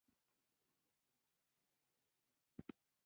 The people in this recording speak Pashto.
احمد خپله مور حج ته بوتله.